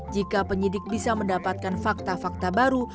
jika penyidik bisa mendapatkan fakta fakta baru